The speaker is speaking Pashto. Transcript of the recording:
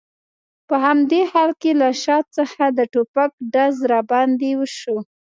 په همدې حال کې له شا څخه د ټوپک ډز را باندې وشو.